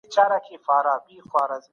ولسمشر بهرنی سیاست نه بدلوي.